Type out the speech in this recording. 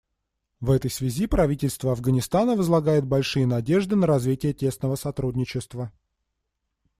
В этой связи правительство Афганистана возлагает большие надежды на развитие тесного сотрудничества.